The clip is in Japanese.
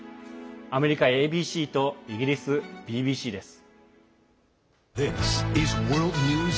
アメリカＡＢＣとイギリスＢＢＣです。